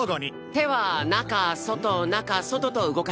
手は中外中外と動かします。